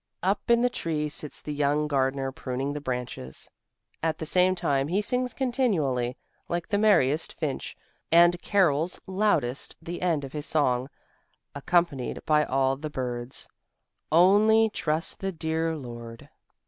Up in the tree sits the young gardener pruning the branches. At the same time he sings continually, like the merriest finch, and carols loudest the end of his song, accompanied by all the birds: "Only trust the dear Lord!"